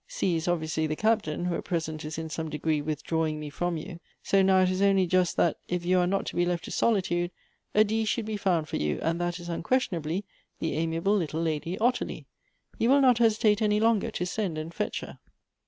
C is obviously the Captain, who at present is in some degree withdrawing me from you. So now it is only just that if you are not to be left to solitude, a D should be found for you, and that is unquestionably the amiable little lady, Ottilie. You will not hesitate any longer to send and fetch her."